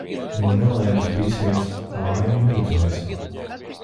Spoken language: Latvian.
No nelaimes bīsies, laimi neredzēsi.